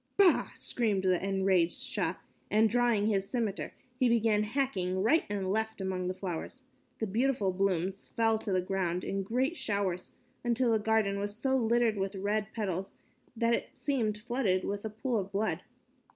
"Bah!" screamed the enraged Shah and, drawing his scimitar, he began hacking right and left among the flowers. The beautiful blooms fell to the ground in great showers until the garden was so littered with the red petals that it seemed flooded with a pool of blood.